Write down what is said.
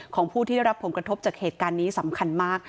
ของผู้ที่ได้รับผลกระทบจากเหตุการณ์นี้สำคัญมาก